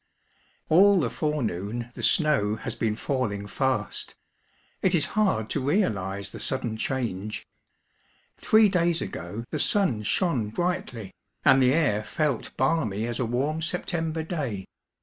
ALL the forenoon the snow has been falling fast. It is hard to leaUse the sudden change. Thiee days ago the sun shone brightly, and the air felt balmy as a warm September day.